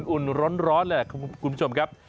อุ่นร้อนแหละคุณผู้ชมครับ